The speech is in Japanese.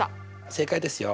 正解ですよ。